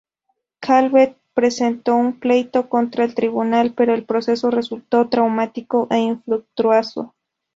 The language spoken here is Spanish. Calvet presentó un pleito contra el tribunal pero el proceso resultó traumático e infructuoso.